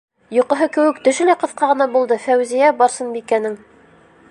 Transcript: Йоҡоһо кеүек, төшө лә ҡыҫҡа ғына булды Фәүзиә- Барсынбикәнең.